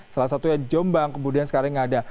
salah satunya di jombang kemudian sekarang ada